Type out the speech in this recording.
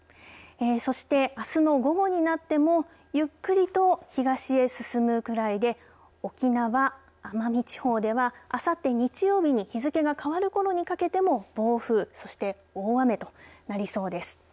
そして、あすの午後になってもゆっくりと東へ進むくらいで沖縄・奄美地方ではあさって日曜日に日付が変わるころにかけても暴風そして大雨となりそうです。